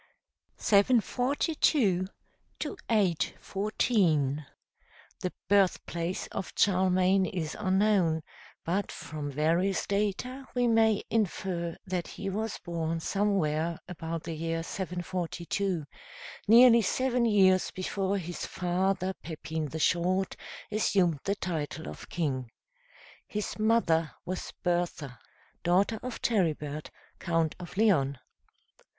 CHARLEMAGNE By SIR J. BERNARD BURKE (742 814) The birthplace of Charlemagne is unknown, but from various data we may infer that he was born somewhere about the year 742, nearly seven years before his father, Pepin the Short, assumed the title of king. His mother was Bertha, daughter of Charibert, Count of Leon.